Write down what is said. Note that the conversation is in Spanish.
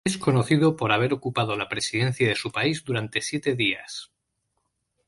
Es conocido por haber ocupado la presidencia de su país durante siete días.